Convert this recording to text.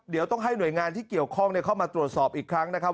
เดี๋ยวต้องให้หน่วยงานที่เกี่ยวข้องเข้ามาตรวจสอบอีกครั้งนะครับ